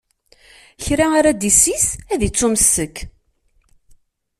Kra ara d-issis, ad ittumessek.